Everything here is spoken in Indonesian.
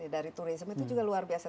dari turisme itu juga luar biasa